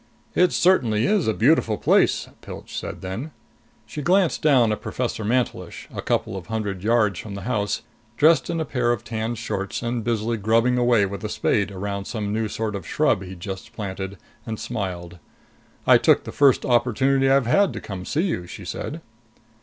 "It certainly is a beautiful place!" Pilch said then. She glanced down at Professor Mantelish, a couple of hundred yards from the house, dressed in a pair of tanned shorts and busily grubbing away with a spade around some new sort of shrub he'd just planted, and smiled. "I took the first opportunity I've had to come see you," she said.